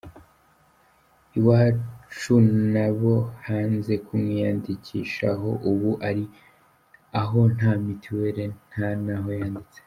Iwacu nabo banze kumwiyandikishaho, ubu ari aho nta mituweli nta n’aho yanditse.